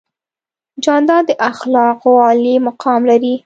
جانداد د اخلاقو عالي مقام لري.